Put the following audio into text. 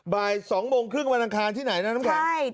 บ่าย๒โมงครึ่งวันอังคารที่ไหนนะน้ำแข็ง